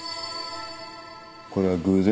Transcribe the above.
これは偶然？